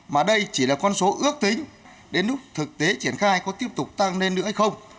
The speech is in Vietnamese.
mà đây chỉ là con số ước tính đến lúc thực tế triển khai có tiếp tục tăng lên nữa hay không